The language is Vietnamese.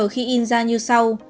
khi in ra như sau